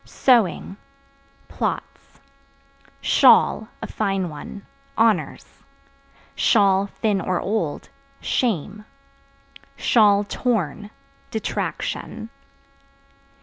Sewing Plots. Shawl (A fine one) honors; (thin or old) shame; (torn) detraction.